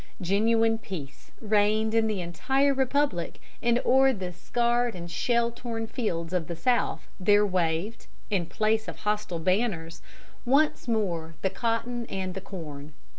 Genuine peace reigned in the entire Republic, and o'er the scarred and shell torn fields of the South there waved, in place of hostile banners, once more the cotton and the corn.